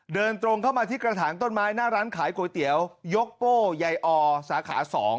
เดินตรงเข้ามาที่กระถางต้นไม้หน้าร้านขายก๋วยเตี๋ยวยกโป้ยายอสาขา๒